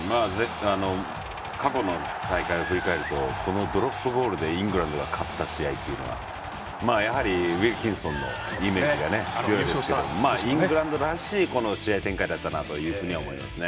過去の大会を振り返るとドロップゴールでイングランドが勝った試合はやはりウィルキンソンのイメージが強いですけどもイングランドらしい試合展開だったなと思いますね。